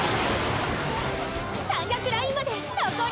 山岳ラインまでのこり